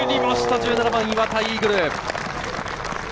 １７番、岩田、イーグル。